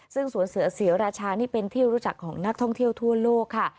ซึ่งสวนเสือศรีราชานี่เป็นที่รู้จักของนักท่องเที่ยวทั่วโลกค่ะ